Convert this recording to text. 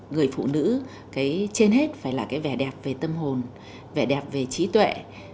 người phụ nữ trên hết phải là cái vẻ đẹp về tâm hồn vẻ đẹp về trí tuệ